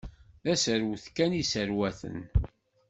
D aserwet kan i sserwaten.